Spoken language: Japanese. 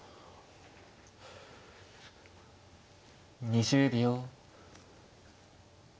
２０秒。